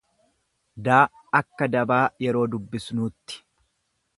d akka dabaa yeroo dubbisnuutti.